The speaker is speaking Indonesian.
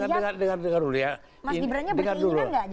mas gibran nya berkeinginan nggak jadi cawapres